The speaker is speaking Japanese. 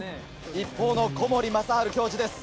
一方の小森雅晴教授です